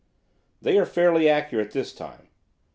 "They are fairly accurate this time.